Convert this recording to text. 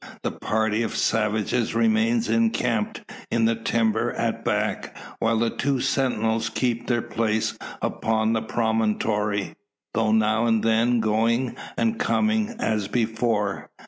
The party of savages remains encamped in the timber at back; while the two sentinels keep their place upon the promontory; though now and then going and coming, as before.